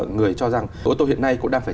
người cho rằng ô tô hiện nay cũng đang phải